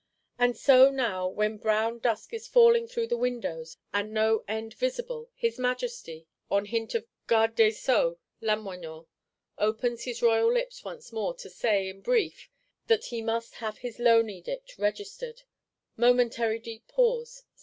And so now, when brown dusk is falling through the windows, and no end visible, his Majesty, on hint of Garde des Sceaux, Lamoignon, opens his royal lips once more to say, in brief That he must have his Loan Edict registered.—Momentary deep pause!